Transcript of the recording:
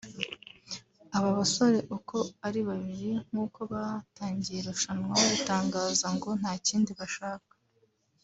Aba basore uko ari babiri nkuko batangiye irushanwa babitangaza ngo ntakindi bashaka